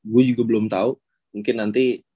gue juga belum tahu mungkin nanti